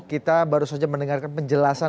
kita baru saja mendengarkan penjelasan